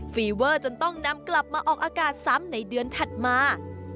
ฟีเวอร์จนต้องนำกลับมาออกอากาศซ้ำในเดือนถัดมา